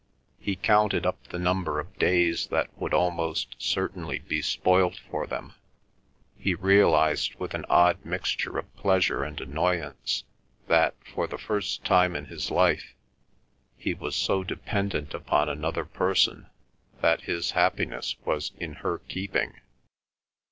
He counted up the number of days that would almost certainly be spoilt for them. He realised, with an odd mixture of pleasure and annoyance, that, for the first time in his life, he was so dependent upon another person that his happiness was in her keeping.